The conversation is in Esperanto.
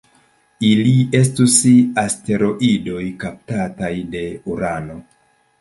Ili estus asteroidoj kaptataj de Urano.